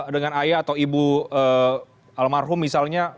dengan ayah atau ibu almarhum misalnya